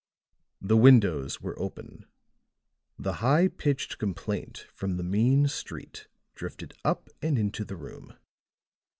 The windows were open; the high pitched complaint from the mean street drifted up and into the room.